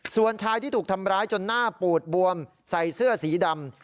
ส่วนชายที่ถูกทำร้ายจนหน้าปูดบวมใส่เสื้อสีดำ